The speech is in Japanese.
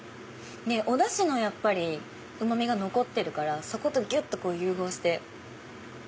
おダシのやっぱりうま味が残ってるからそことぎゅっと融合して。